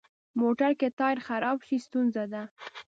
موټر که ټایر یې خراب شي، ستونزه ده.